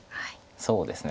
そうですね